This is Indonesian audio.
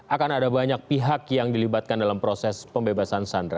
akan ada banyak pihak yang dilibatkan dalam proses pembebasan sandra